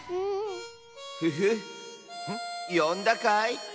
フフよんだかい？